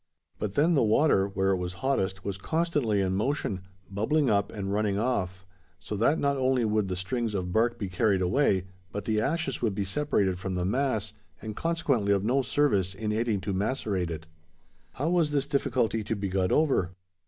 But then the water, where it was hottest, was constantly in motion bubbling up and running off; so that not only would the strings of bark be carried away, but the ashes would be separated from the mass, and consequently of no service in aiding to macerate it. How was this difficulty to be got over?